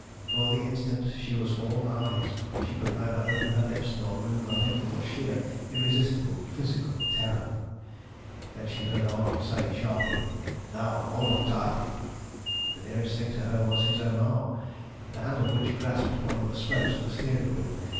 For the instant she was all eyes. She could neither open her lips nor move a limb for sheer, irresistible, physical terror. Then she heard Arnold say sharply "Now, hold on tight!" The nearest thing to her was his own arm, the hand of which grasped one of the spokes of the steering wheel.